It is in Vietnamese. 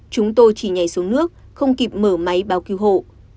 chúng tôi chỉ nhảy xuống nước không kịp mở máy báo cứu hộ